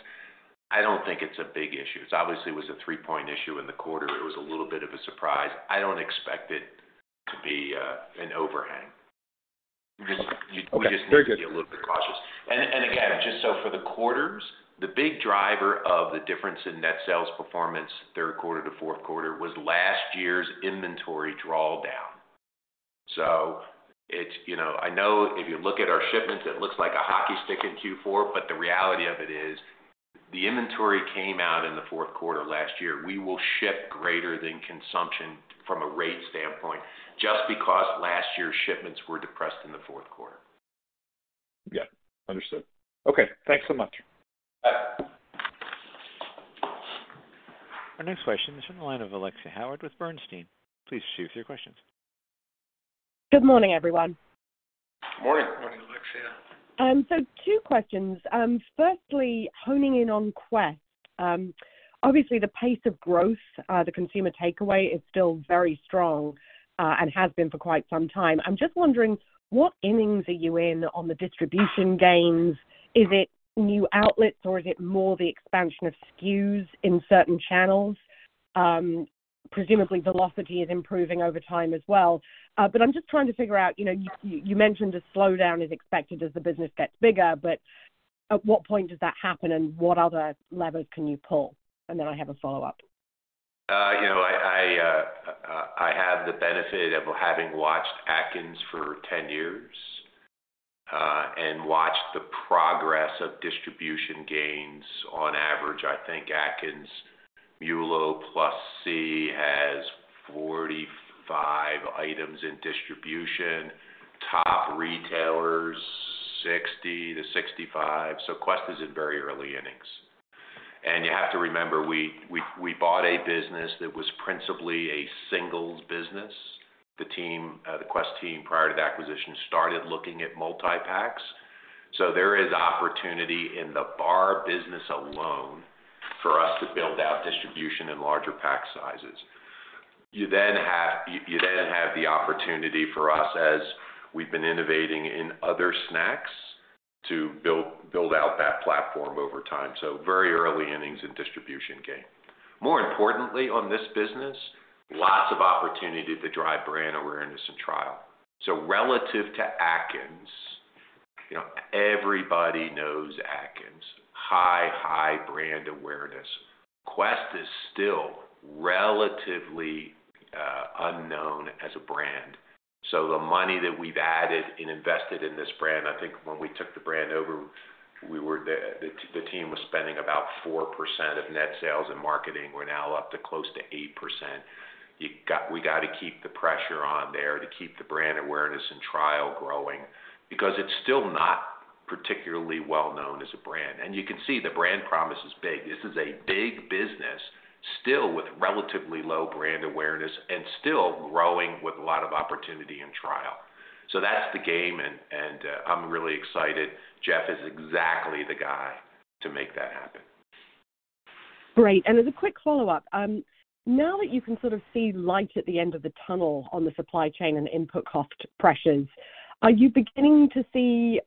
I don't think it's a big issue. It obviously was a three-point issue in the quarter. It was a little bit of a surprise. I don't expect it to be an overhang. Okay. Very good. We just need to be a little bit cautious. Again, just for the quarters, the big driver of the difference in net sales performance, third quarter to fourth quarter, was last year's inventory drawdown. It's, you know, I know if you look at our shipments, it looks like a hockey stick in Q4, but the reality of it is the inventory came out in the fourth quarter last year. We will ship greater than consumption from a rate standpoint just because last year's shipments were depressed in the fourth quarter. Yeah. Understood. Okay. Thanks so much. Bye. Our next question is from the line of Alexia Howard with Bernstein. Please proceed with your questions. Good morning, everyone. Morning. Morning, Alexia. Two questions. Firstly, honing in on Quest. Obviously the pace of growth, the consumer takeaway is still very strong, and has been for quite some time. I'm just wondering what innings are you in on the distribution gains. Is it new outlets or is it more the expansion of SKUs in certain channels? Presumably velocity is improving over time as well. I'm just trying to figure out, you know, you mentioned a slowdown is expected as the business gets bigger, but at what point does that happen and what other levers can you pull? I have a follow-up. You know, I, I have the benefit of having watched Atkins for 10 years, and watched the progress of distribution gains. On average, I think Atkins, MULO+C has 45 items in distribution. Top retailers, 60-65. Quest is in very early innings. You have to remember, we bought a business that was principally a singles business. The team, the Quest team, prior to the acquisition, started looking at multi-packs. There is opportunity in the bar business alone for us to build out distribution in larger pack sizes. You then have the opportunity for us as we've been innovating in other snacks to build out that platform over time. Very early innings in distribution gain. More importantly on this business, lots of opportunity to drive brand awareness and trial. Relative to Atkins, you know, everybody knows Atkins. High brand awareness. Quest is still relatively unknown as a brand. The money that we've added and invested in this brand, I think when we took the brand over, the team was spending about 4% of net sales and marketing. We're now up to close to 8%. We gotta keep the pressure on there to keep the brand awareness and trial growing because it's still not particularly well known as a brand. You can see the brand promise is big. This is a big business still with relatively low brand awareness and still growing with a lot of opportunity in trial. That's the game and I'm really excited. Geoff is exactly the guy to make that happen. Great. As a quick follow-up, now that you can sort of see light at the end of the tunnel on the supply chain and input cost pressures, are you beginning to see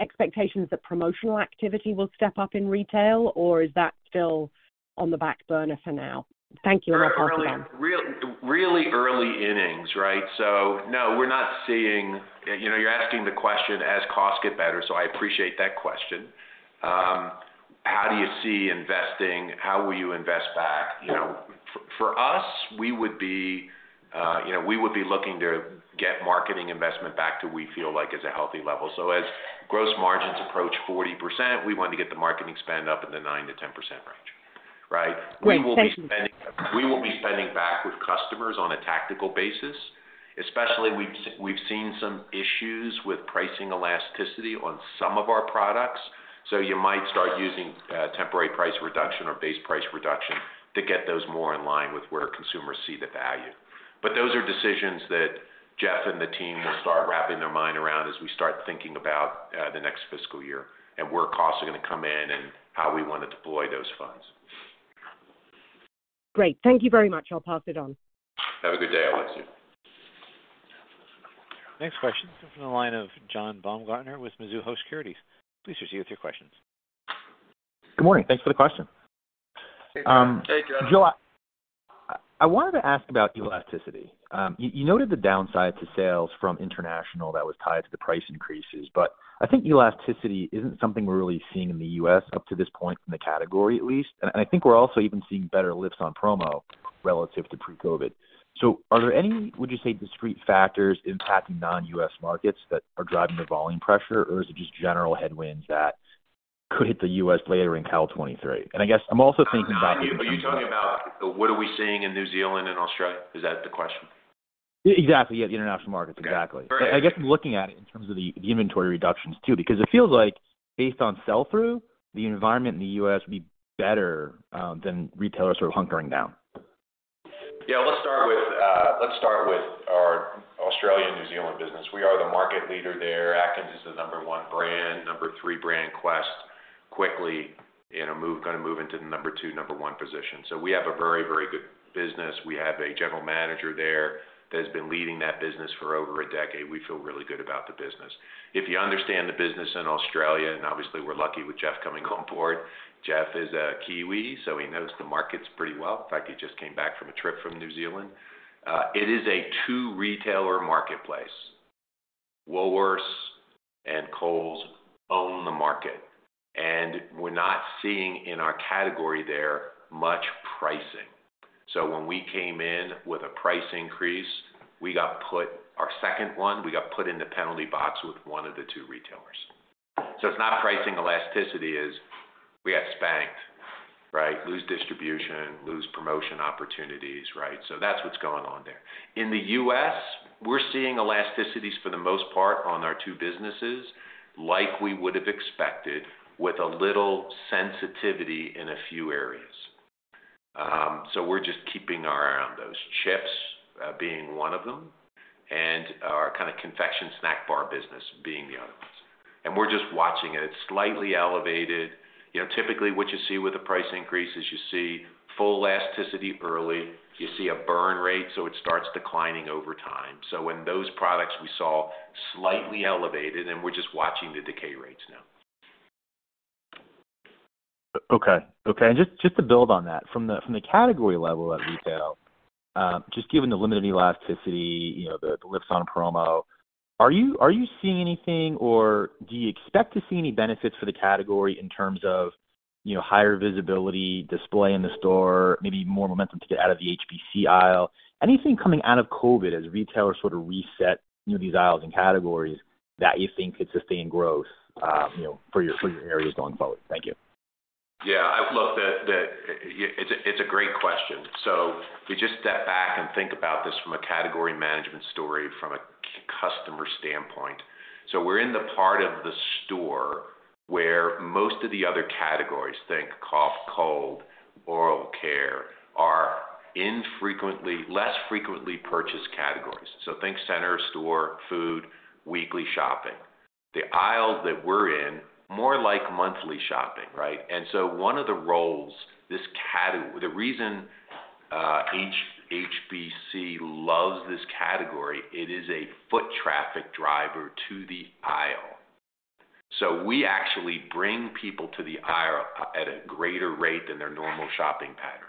expectations that promotional activity will step up in retail or is that still on the back burner for now? Thank you. I'll pass it on. Really early, really early innings, right? No, we're not seeing... You know, you're asking the question as costs get better, so I appreciate that question. How do you see investing? How will you invest back? You know, for us, we would be, you know, we would be looking to get marketing investment back to we feel like is a healthy level. As gross margins approach 40%, we want to get the marketing spend up in the 9%-10% range, right? Great. Thank you. We will be spending back with customers on a tactical basis, especially we've seen some issues with pricing elasticity on some of our products. So you might start using temporary price reduction or base price reduction to get those more in line with where consumers see the value. But those are decisions that Geoff and the team will start wrapping their mind around as we start thinking about the next fiscal year and where costs are gonna come in and how we wanna deploy those funds. Great. Thank you very much. I'll pass it on. Have a good day, Alexia. Next question comes from the line of John Baumgartner with Mizuho Securities. Please proceed with your questions. Good morning. Thanks for the question. Hey, John. Joe, I wanted to ask about elasticity. You noted the downside to sales from international that was tied to the price increases, but I think elasticity isn't something we're really seeing in the U.S. up to this point in the category at least. I think we're also even seeing better lifts on promo relative to pre-COVID. Are there any, would you say, discrete factors impacting non-U.S. markets that are driving the volume pressure or is it just general headwinds that could hit the U.S. later in cal 2023? I guess I'm also thinking about... Are you talking about what are we seeing in New Zealand and Australia? Is that the question? Exactly. Yeah, the international markets. Exactly. Okay. Great. I guess I'm looking at it in terms of the inventory reductions too, because it feels like based on sell through, the environment in the U.S. would be better than retailers who are hunkering down. Let's start with our Australian, New Zealand business. We are the market leader there. Atkins is the number one brand. Number three brand, Quest, quickly gonna move into the number two, number one position. We have a very, very good business. We have a general manager there that has been leading that business for over a decade. We feel really good about the business. If you understand the business in Australia, and obviously we're lucky with Geoff coming on board. Geoff is a Kiwi, so he knows the markets pretty well. In fact, he just came back from a trip from New Zealand. It is a two retailer marketplace. Woolworths and Coles own the market, and we're not seeing in our category there much pricing. When we came in with a price increase, we got put... Our second one, we got put in the penalty box with one of the two retailers. It's not pricing elasticity, is we got spanked, right? Lose distribution, lose promotion opportunities, right? That's what's going on there. In the U.S., we're seeing elasticities for the most part on our two businesses like we would have expected with a little sensitivity in a few areas. We're just keeping our eye on those chips, being 1 of them, and our kind of confection snack bar business being the other ones. We're just watching it. It's slightly elevated. You know, typically, what you see with the price increase is you see full elasticity early. You see a burn rate, so it starts declining over time. When those products we saw slightly elevated and we're just watching the decay rates now. Okay. Just to build on that. From the category level at retail, just given the limited elasticity, you know, the lifts on promo, are you seeing anything or do you expect to see any benefits for the category in terms of, you know, higher visibility, display in the store, maybe more momentum to get out of the HBC aisle? Anything coming out of COVID as retailers sort of reset, you know, these aisles and categories that you think could sustain growth, you know, for your areas going forward? Thank you. Yeah, look, it's a great question. If you just step back and think about this from a category management story from a customer standpoint. We're in the part of the store where most of the other categories, think cough, cold, oral care, are less frequently purchased categories. Think center store, food, weekly shopping. The aisles that we're in, more like monthly shopping, right? One of the roles, the reason, HBC loves this category, it is a foot traffic driver to the aisle. We actually bring people to the aisle at a greater rate than their normal shopping patterns.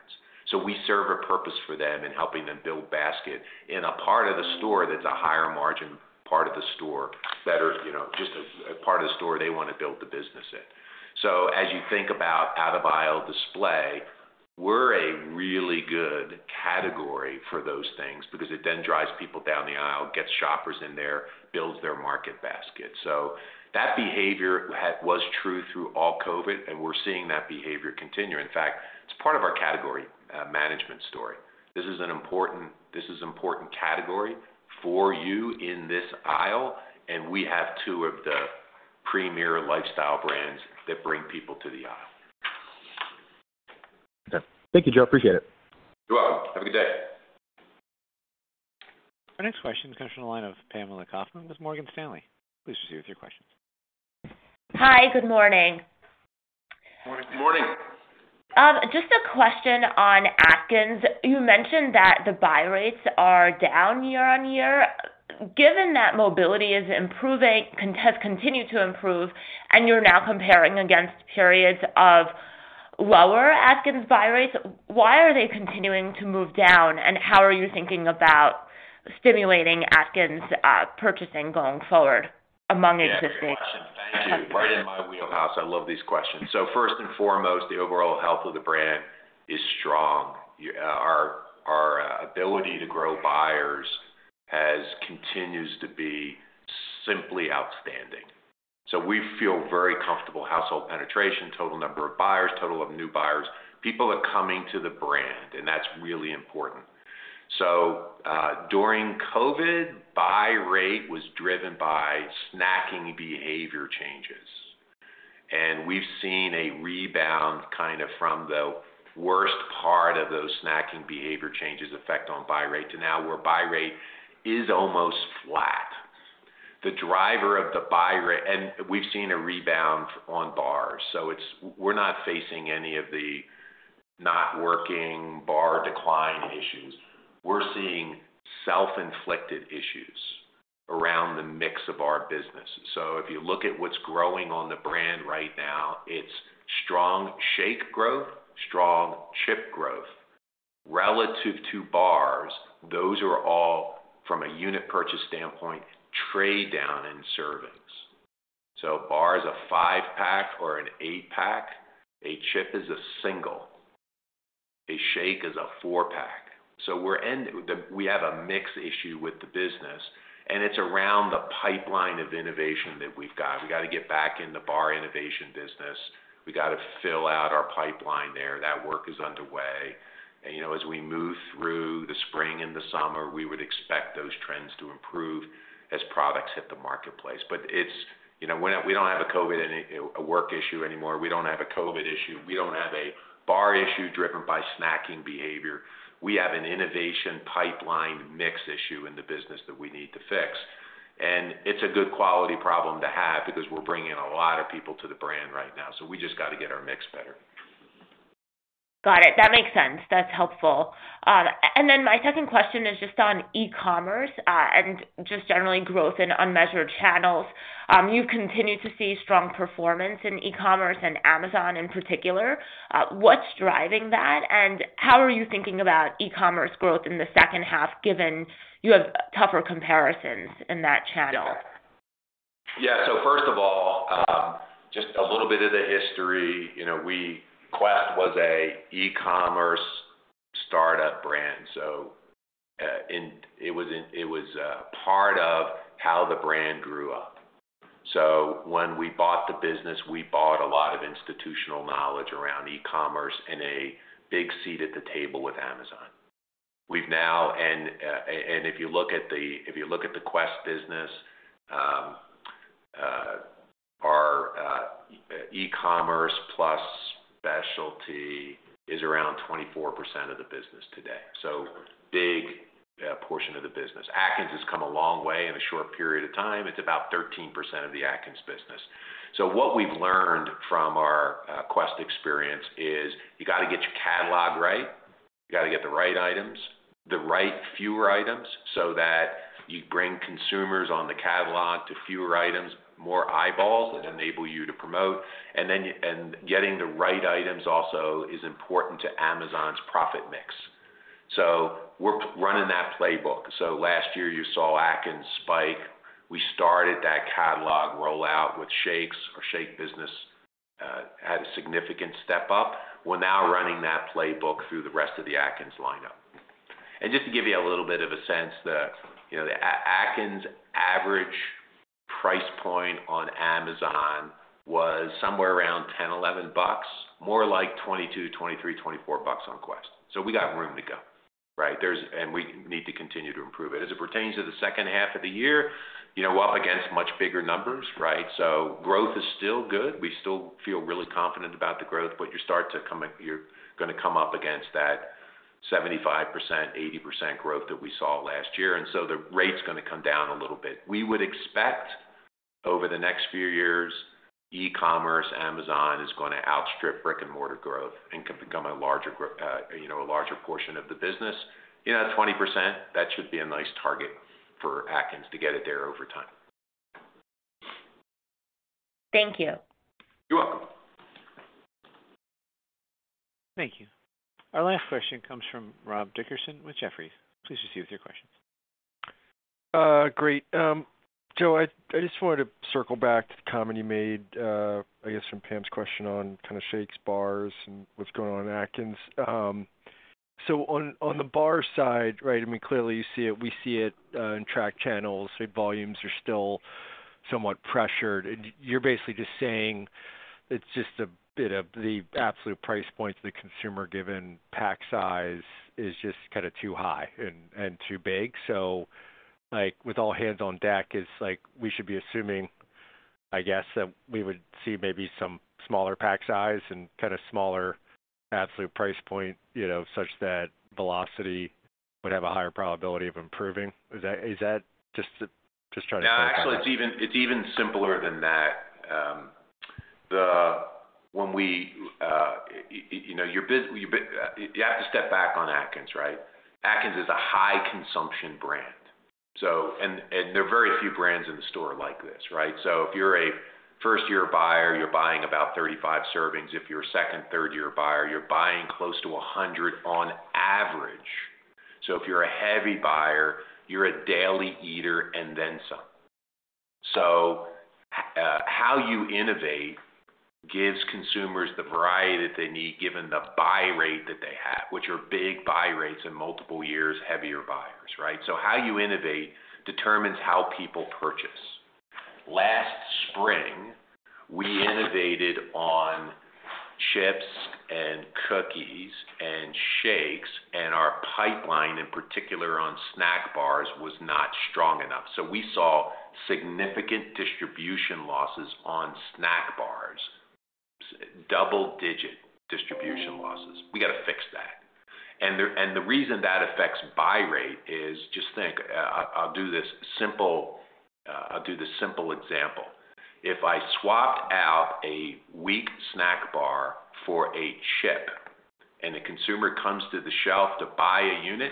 We serve a purpose for them in helping them build basket in a part of the store that's a higher margin part of the store that are, you know, just a part of the store they wanna build the business in. As you think about out-of-aisle display, we're a really good category for those things because it then drives people down the aisle, gets shoppers in there, builds their market basket. That behavior was true through all COVID, and we're seeing that behavior continue. In fact, it's part of our category management story. This is an important category for you in this aisle, and we have two of the premier lifestyle brands that bring people to the aisle. Okay. Thank you, Joe. Appreciate it. You're welcome. Have a good day. Our next question comes from the line of Pamela Kaufman with Morgan Stanley. Please proceed with your question. Hi. Good morning. Morning. Morning. Just a question on Atkins. You mentioned that the buy rates are down year-over-year. Given that mobility is improving, has continued to improve and you're now comparing against periods of lower Atkins buy rates, why are they continuing to move down, and how are you thinking about stimulating Atkins purchasing going forward among existing customers? Thank you. Right in my wheelhouse. I love these questions. First and foremost, the overall health of the brand is strong. Our ability to grow buyers has continues to be simply outstanding. We feel very comfortable household penetration, total number of buyers, total of new buyers, people are coming to the brand, and that's really important. During COVID, buy rate was driven by snacking behavior changes, and we've seen a rebound kind of from the worst part of those snacking behavior changes effect on buy rate to now where buy rate is almost flat. The driver of the buy and we've seen a rebound on bars. We're not facing any of the not working bar decline issues. We're seeing self-inflicted issues around the mix of our business. If you look at what's growing on the brand right now, it's strong shake growth, strong chip growth. Relative to bars, those are all from a unit purchase standpoint, trade down in servings. A bar is a five-pack or an eight-pack. A chip is a single. A shake is a four-pack. We have a mix issue with the business, and it's around the pipeline of innovation that we've got. We gotta get back in the bar innovation business. We gotta fill out our pipeline there. That work is underway. You know, as we move through the spring and the summer, we would expect those trends to improve as products hit the marketplace. It's, you know, we don't have a COVID work issue anymore. We don't have a COVID issue. We don't have a bar issue driven by snacking behavior. We have an innovation pipeline mix issue in the business that we need to fix. It's a good quality problem to have because we're bringing a lot of people to the brand right now. We just gotta get our mix better. Got it. That makes sense. That's helpful. My second question is just on e-commerce, and just generally growth in unmeasured channels. You've continued to see strong performance in e-commerce and Amazon in particular. What's driving that, and how are you thinking about e-commerce growth in the second half given you have tougher comparisons in that channel? Yeah. First of all, just a little bit of the history. You know, Quest was a e-commerce startup brand, it was part of how the brand grew up. When we bought the business, we bought a lot of institutional knowledge around e-commerce and a big seat at the table with Amazon. And if you look at the Quest business, e-commerce plus specialty is around 24% of the business today. Big portion of the business. Atkins has come a long way in a short period of time. It's about 13% of the Atkins business. What we've learned from our Quest experience is you gotta get your catalog right. You gotta get the right items, the right fewer items, that you bring consumers on the catalog to fewer items, more eyeballs that enable you to promote. Getting the right items also is important to Amazon's profit mix. We're running that playbook. Last year you saw Atkins spike. We started that catalog rollout with shakes. Our shake business had a significant step up. We're now running that playbook through the rest of the Atkins lineup. Just to give you a little bit of a sense, the, you know, the Atkins average price point on Amazon was somewhere around $10-$11 bucks, more like $22-$24 bucks on Quest. We got room to go, right? We need to continue to improve it. As it pertains to the second half of the year, you know, up against much bigger numbers, right? Growth is still good. We still feel really confident about the growth, but you're gonna come up against that 75%, 80% growth that we saw last year. The rate's gonna come down a little bit. We would expect over the next few years, e-commerce, Amazon is gonna outstrip brick-and-mortar growth and can become a larger, you know, a larger portion of the business. You know, 20%, that should be a nice target for Atkins to get it there over time. Thank you. You're welcome. Thank you. Our last question comes from Rob Dickerson with Jefferies. Please proceed with your question. Great. Joe, I just wanted to circle back to the comment you made, I guess from Pam's question on kind of shakes, bars and what's going on in Atkins. On the bar side, right, I mean, clearly you see it, we see it, in track channels, the volumes are still somewhat pressured. You're basically just saying it's just a bit of the absolute price point to the consumer given pack size is just kinda too high and too big. Like, with all hands on deck, it's like we should be assuming, I guess, that we would see maybe some smaller pack size and kinda smaller absolute price point, you know, such that velocity would have a higher probability of improving. Is that? Just trying to. No, actually it's even simpler than that. When we, you know, you have to step back on Atkins, right? Atkins is a high consumption brand. There are very few brands in the store like this, right? If you're a first-year buyer, you're buying about 35 servings. If you're a second, third-year buyer, you're buying close to 100 on average. If you're a heavy buyer, you're a daily eater, and then some. How you innovate gives consumers the variety that they need given the buy rate that they have, which are big buy rates and multiple years heavier buyers, right? How you innovate determines how people purchase. Last spring, we innovated on chips and cookies and shakes, and our pipeline, in particular on snack bars, was not strong enough. We saw significant distribution losses on snack bars, double-digit distribution losses. We gotta fix that. The reason that affects buy rate is just think, I'll do this simple example. If I swapped out a weak snack bar for a chip and the consumer comes to the shelf to buy a unit,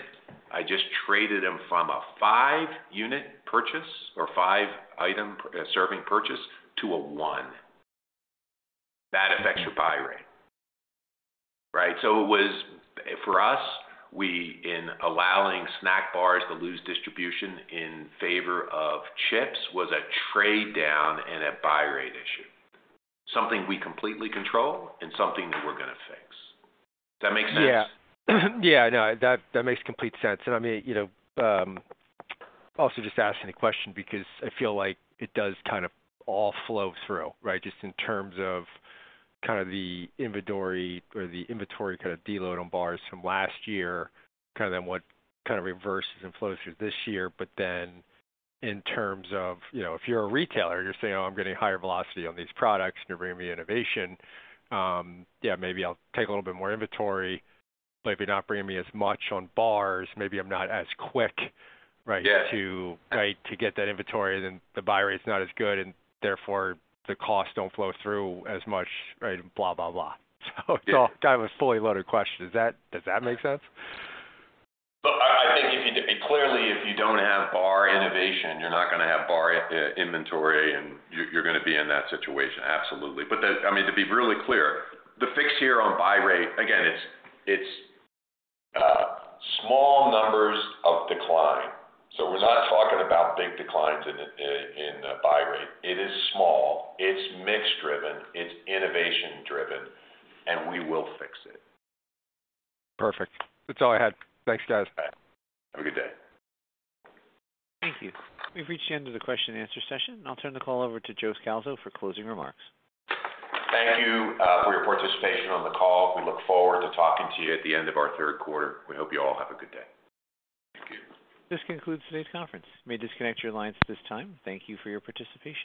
I just traded them from a five-unit purchase or five item serving purchase to a one. That affects your buy rate, right? It was, for us, we, in allowing snack bars to lose distribution in favor of chips, was a trade-down and a buy rate issue. Something we completely control and something that we're gonna fix. Does that make sense? Yeah. Yeah, no, that makes complete sense. I mean, you know, also just asking the question because I feel like it does kind of all flow through, right? Just in terms of kind of the inventory or the inventory kind of deload on bars from last year, kind of then what kind of reverses and flows through this year. In terms of, you know, if you're a retailer, you're saying, "Oh, I'm getting higher velocity on these products and you're bringing me innovation." Yeah, maybe I'll take a little bit more inventory. Maybe not bringing me as much on bars, maybe I'm not as quick, right. Yeah. to guide to get that inventory, then the buy rate's not as good, and therefore the costs don't flow through as much, right, blah, blah. It's all kind of a fully loaded question. Does that, does that make sense? Well, I think. Clearly, if you don't have bar innovation, you're not gonna have bar inventory and you're gonna be in that situation, absolutely. I mean, to be really clear, the fix here on buy rate, again, it's small numbers of decline. We're not talking about big declines in the buy rate. It is small, it's mix-driven, it's innovation-driven, we will fix it. Perfect. That's all I had. Thanks, guys. All right. Have a good day. Thank you. We've reached the end of the question and answer session. I'll turn the call over to Joe Scalzo for closing remarks. Thank you for your participation on the call. We look forward to talking to you at the end of our third quarter. We hope you all have a good day. Thank you. This concludes today's conference. You may disconnect your lines at this time. Thank you for your participation.